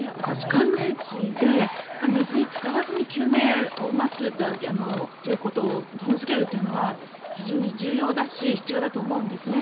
寒冷地で、水につからずに救命を待つということを義務付けるというのは非常に重要だし必要だと思うんですね。